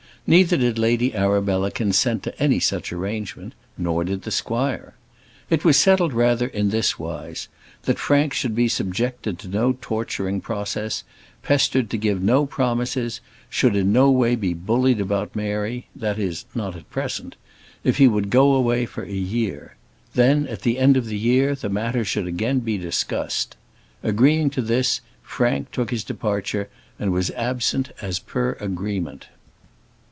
Neither did Lady Arabella consent to any such arrangement, nor did the squire. It was settled rather in this wise: that Frank should be subjected to no torturing process, pestered to give no promises, should in no way be bullied about Mary that is, not at present if he would go away for a year. Then, at the end of the year, the matter should again be discussed. Agreeing to this, Frank took his departure, and was absent as per agreement.